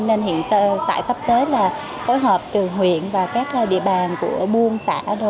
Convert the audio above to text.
nên hiện tại sắp tới là phối hợp từ huyện và các địa bàn của buôn xã